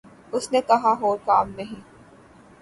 اس نے کہا اور کام نہیں